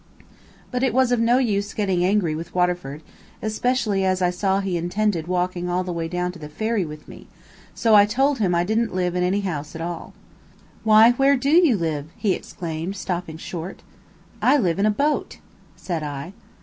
But it was of no use getting angry with Waterford, especially as I saw he intended walking all the way down to the ferry with me, so I told him I didn't live in any house at all. "Why, where DO you live?" he exclaimed, stopping short. "I live in a boat," said I.